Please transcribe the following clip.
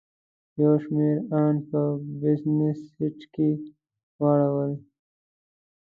یو شمېر ان په بزنس سیټ کې واړول.